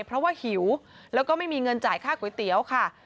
เพราะว่าหิวแล้วก็ไม่มีเงินจ่ายค่าก๋วยเตี๋ยวค่ะ